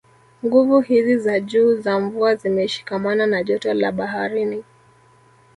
Nguvu hizi za juu za mvua zimeshikamana na joto la baharini